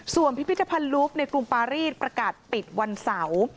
ส่วนพิพิธภัณฑ์ลูฟในกรุงปารีสประกาศปิดวันเสาร์